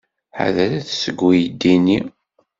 Ḥadret seg uydi-nni!